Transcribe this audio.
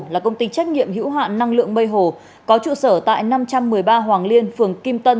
là công ty trách nhiệm hữu hạn năng lượng mây hồ có trụ sở tại năm trăm một mươi ba hoàng liên phường kim tân